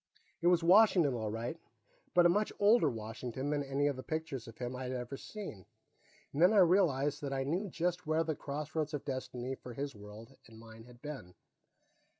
It was Washington, all right, but a much older Washington than any of the pictures of him I had ever seen. Then I realized that I knew just where the Crossroads of Destiny for his world and mine had been.